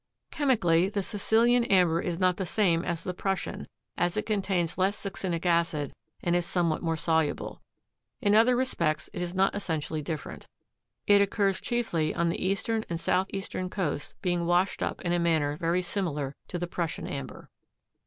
Chemically the Sicilian amber is not the same as the Prussian as it contains less succinic acid and is somewhat more soluble. In other respects it is not essentially different. It occurs chiefly on the eastern and southeastern coasts being washed up in a manner very similar to the Prussian amber.